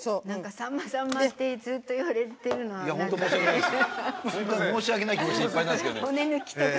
さんま、さんまってずっと言われてるのは、なんか。